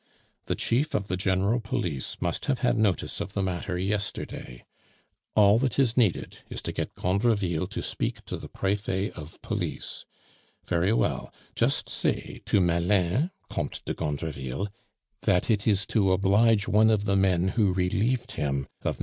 The Chief of the General Police must have had notice of the matter yesterday. All that is needed is to get Gondreville to speak to the Prefet of Police. Very well, just say to Malin, Comte de Gondreville, that it is to oblige one of the men who relieved him of MM.